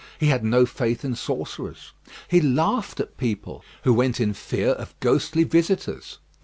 He had no faith in sorcerers. He laughed at people who went in fear of ghostly visitors.